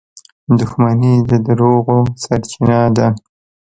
• دښمني د دروغو سرچینه ده.